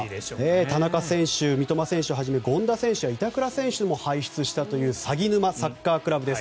田中選手、三笘選手はじめ権田選手や板倉選手も輩出したというさぎぬまサッカークラブです。